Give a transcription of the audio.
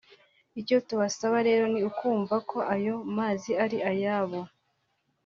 Icyo tubasaba rero ni ukumva ko ayo mazi ari ayabo